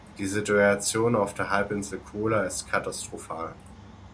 Die Situation auf der Halbinsel Kola ist katastrophal.